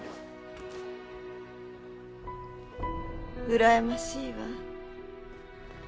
うらやましいわ。